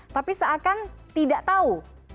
tapi seakan tidak tahu